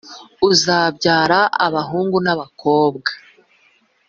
uzabyara abahungu n’abakobwa,